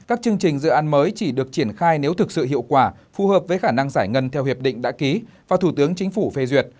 các chương trình dự án mới chỉ được triển khai nếu thực sự hiệu quả phù hợp với khả năng giải ngân theo hiệp định đã ký và thủ tướng chính phủ phê duyệt